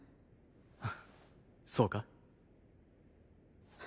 フッそうか？